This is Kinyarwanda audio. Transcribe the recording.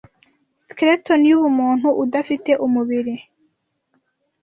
Skeleton yubumuntu udafite umubiri